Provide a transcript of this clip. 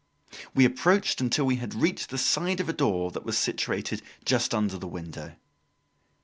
We approached until we had reached the side of a door that was situated just under the window.